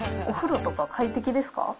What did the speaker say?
お風呂とか快適ですか？